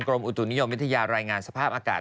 อุตุนิยมวิทยารายงานสภาพอากาศ